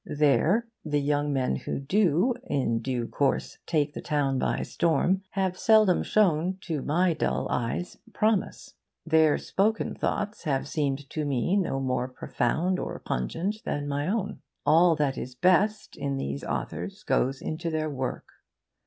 There the young men who do in due course take the town by storm have seldom shown (to my dull eyes) promise. Their spoken thoughts have seemed to me no more profound or pungent than my own. All that is best in these authors goes into their work.